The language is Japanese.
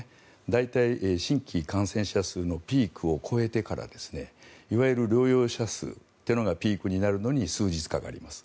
大体、新規感染者数のピークを超えてからいわゆる療養者数というのがピークになるのに数日かかります。